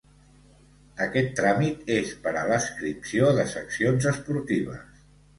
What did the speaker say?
Aquest tràmit és per a l'adscripció de seccions esportives.